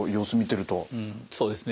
うんそうですね。